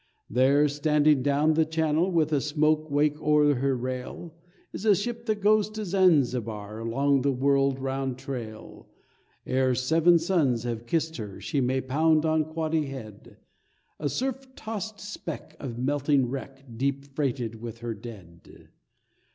There, standing down the channel, With a smoke wake o'er her rail, Is a ship that goes to Zanzibar Along the world round trail, 'Ere seven suns have kissed her She may pound on Quoddy Head— A surf tossed speck of melting wreck, Deep freighted with her dead.